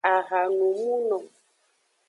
Ahanumuno.